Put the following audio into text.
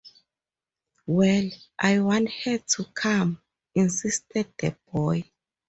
“Well, I want her to come,” insisted the boy.